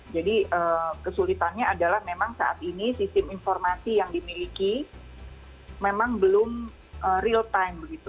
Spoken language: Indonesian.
kesulitannya adalah memang saat ini sistem informasi yang dimiliki memang belum real time begitu